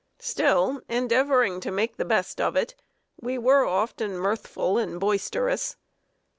Still, endeavoring to make the best of it, we were often mirthful and boisterous.